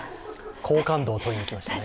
好感度をとりにきましたね。